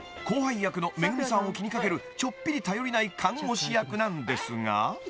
［後輩役のＭＥＧＵＭＩさんを気に掛けるちょっぴり頼りない看護師役なんですが］